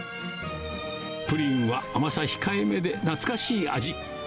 プリンは甘さ控えめで、懐かしい味。